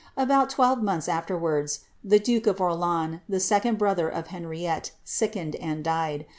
About twelve months afterwards, the duke of Orleans, the second brother of Henriette, sickened and died.